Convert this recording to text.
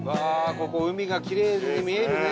ここ海がキレイに見えるね。